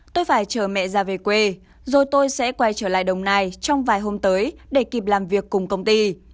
tôi phải chờ mẹ ra về quê rồi tôi sẽ quay trở lại đồng nai trong vài hôm tới để kịp làm việc cùng công ty